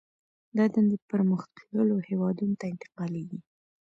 دا دندې پرمختللو هېوادونو ته انتقالېږي